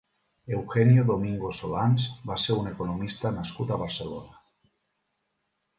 Eugenio Domingo Solans va ser un economista nascut a Barcelona.